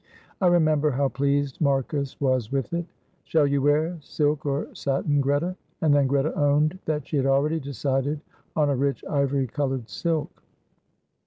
I remember how pleased Marcus was with it. Shall you wear silk or satin, Greta?" and then Greta owned that she had already decided on a rich ivory coloured silk.